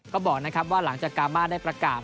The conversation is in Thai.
ก็บอกนะครับว่าหลังจากกามาได้ประกาศ